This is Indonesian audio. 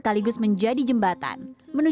dan eldestri youtube saya juga